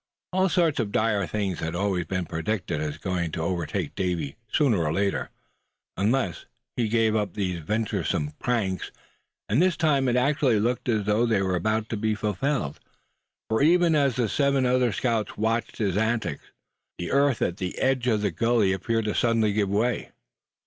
All sorts of dire things had always been predicted as going to overtake Davy sooner or later, unless he gave up these venturesome pranks; and this time it actually looked as though they were about to be fulfilled. For even as the seven other scouts were watching his antics, the earth at the edge of the gully appeared to suddenly give way.